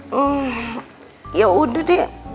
hmm yaudah deh